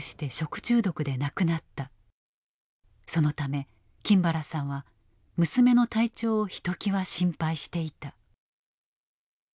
そのため金原さんは娘の体調をひときわ心配していた。